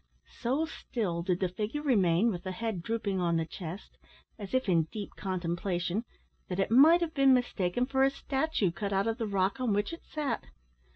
So still did the figure remain, with the head drooping on the chest, as if in deep contemplation, that it might have been mistaken for a statue, cut out of the rock on which it sat.